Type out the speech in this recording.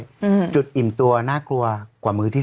อืมจุดอิ่มตัวน่ากลัวกว่ามือที่๓